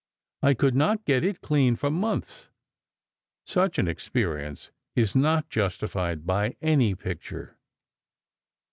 I could not get it clean for months. Such an experience is not justified by any picture."